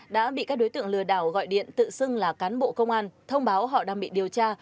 đã bị các đối tượng lừa đảo gọi điện tự xưng là cán bộ công an thông báo họ đang bị điều tra